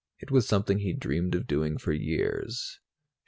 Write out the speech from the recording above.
It was something he'd dreamed of doing for years.